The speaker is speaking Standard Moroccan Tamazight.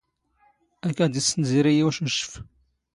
ⴰⴽⴰⴷ ⵉⵙⵙⵏ ⵣⵉⵔⵉ ⵉ ⵓⵛⵓⵛⴼ.